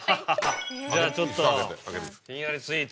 じゃあちょっとひんやりスイーツ。